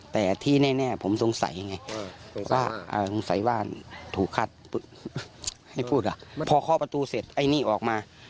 แต่ที่แน่ผมสงสัยไงว่าสงสัยว่าถูกคาดพอเข้าประตูเสร็จอันนี้ออกมา